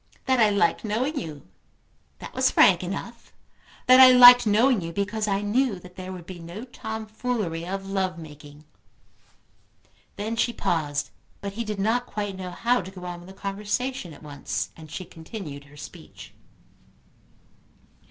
"That I liked knowing you; that was frank enough; that I liked knowing you because I knew that there would be no tomfoolery of love making." Then she paused; but he did not quite know how to go on with the conversation at once, and she continued her speech.